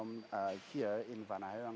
di pejabat vanaheerang